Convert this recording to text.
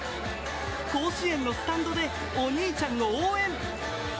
甲子園のスタンドでお兄ちゃんの応援！